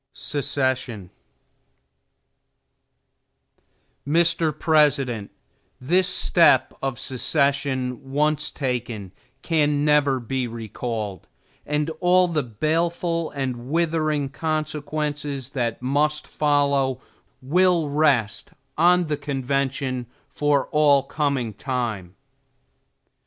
STEPHENS Mr. President: This step of secession, once taken, can never be recalled; and all the baleful and withering consequences that must follow, will rest on the convention for all coming time.